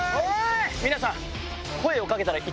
皆さん！